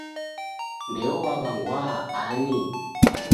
Ndeo waw'angwaa ani?